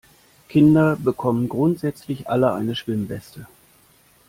Kinder bekommen grundsätzlich alle eine Schwimmweste.